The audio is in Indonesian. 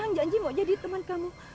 orang janji mau jadi teman kamu